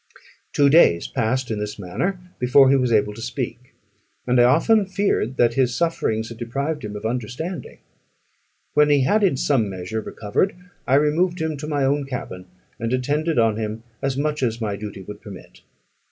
Two days passed in this manner before he was able to speak; and I often feared that his sufferings had deprived him of understanding. When he had in some measure recovered, I removed him to my own cabin, and attended on him as much as my duty would permit.